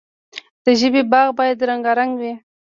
د ژبې باغ باید رنګارنګ وي.